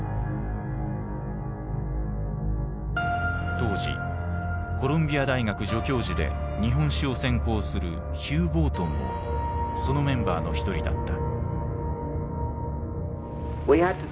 当時コロンビア大学助教授で日本史を専攻するヒュー・ボートンもそのメンバーの一人だった。